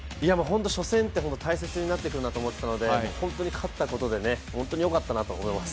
初戦って大切になってくるので、勝ったことで本当によかったなと思います。